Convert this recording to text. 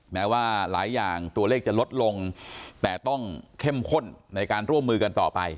แม้ว่าหลายอย่างตัวเลขจะลดลงแต่ต้องเข้มข้นในการร่วมมือกันต่อไป